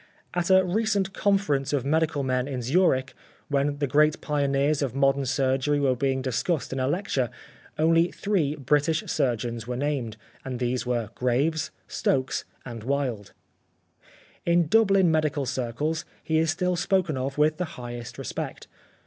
At a recent conference of medical men in Zuerich when the great pioneers 23 The Life of Oscar Wilde of modern surgery were being discussed in a lecture, only three British surgeons were named, and these were Graves, Stokes, and Wilde. In Dublin medical circles he is still spoken of with the highest respect.